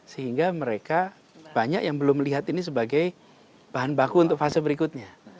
sehingga mereka banyak yang belum melihat ini sebagai bahan baku untuk fase berikutnya